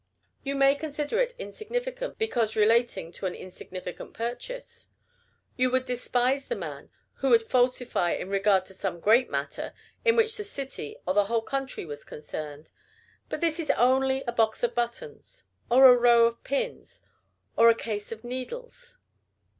You may consider it insignificant, because relating to an insignificant purchase. You would despise the man who would falsify in regard to some great matter, in which the city or the whole country was concerned; but this is only a box of buttons, or a row of pins, or a case of needles.